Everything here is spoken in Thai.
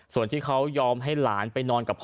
ส่วนที่เขายอมให้หลานไปนอนกับพ่อ